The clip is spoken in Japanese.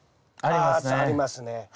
あありますね。